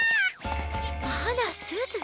あらすず？